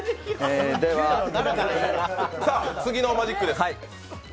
次のマジックです。